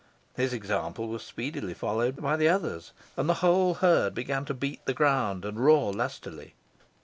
His example was speedily followed by the others, and the whole herd began to beat ground and roar loudly.